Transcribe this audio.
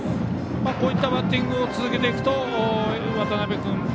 こういったバッティングを続けていくと渡邊君